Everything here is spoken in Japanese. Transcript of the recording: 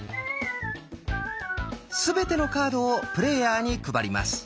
全てのカードをプレーヤーに配ります。